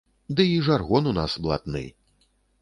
Ды і жаргон у нас блатны!